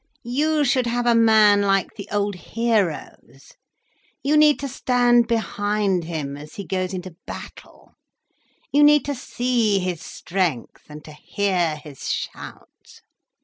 "You should have a man like the old heroes—you need to stand behind him as he goes into battle, you need to see his strength, and to hear his shout—.